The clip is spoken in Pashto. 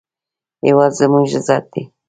هېواد زموږ عزت دی